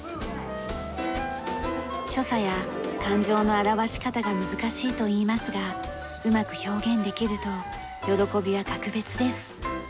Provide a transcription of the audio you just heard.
所作や感情の表し方が難しいといいますがうまく表現できると喜びは格別です。